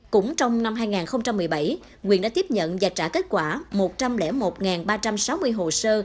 cũng trong năm hai nghìn một mươi bảy quyền đã tiếp nhận và trả kết quả một trăm linh một ba trăm sáu mươi hồ sơ